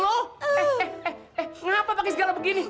kenapa pakai segala begini